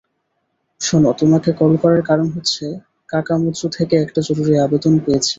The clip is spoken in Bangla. শোনো তোমাকে কল করার কারণ হচ্ছে কাকামুচো থেকে একটা জরুরী আবেদন পেয়েছি।